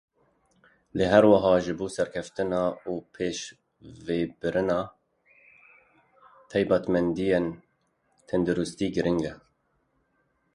lê her wiha ji bo serkeftin û pêşvebirina taybetmendiyên tenduristî girîng e.